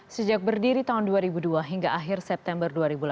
sejak berdiri tahun dua ribu dua hingga akhir september dua ribu delapan belas